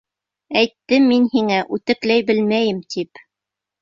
Әйттем мин һиңә: үтекләй белмәйем тип.